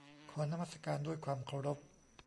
ขอนมัสการด้วยความเคารพ